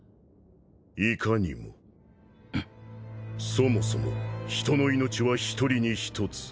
そもそも人の命は一人に一つ。